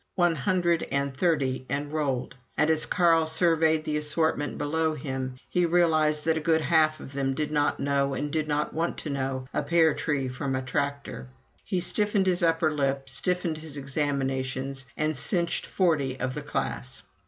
One hundred and thirty enrolled, and as Carl surveyed the assortment below him, he realized that a good half of them did not know and did not want to know a pear tree from a tractor. He stiffened his upper lip, stiffened his examinations, and cinched forty of the class.